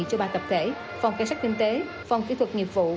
cho ba tập thể phòng cảnh sát kinh tế phòng kỹ thuật nghiệp vụ